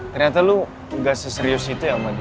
ternyata lu gak seserius itu ya sama dia